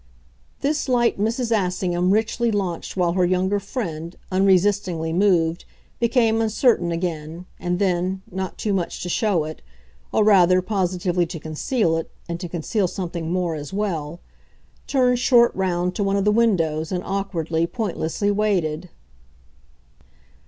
This light Mrs. Assingham richly launched while her younger friend, unresistingly moved, became uncertain again, and then, not too much to show it or, rather, positively to conceal it, and to conceal something more as well turned short round to one of the windows and awkwardly, pointlessly waited.